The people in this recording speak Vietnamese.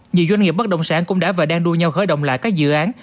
nhiều doanh nghiệp bất động sản cũng đã và đang đua nhau khởi động lại các dự án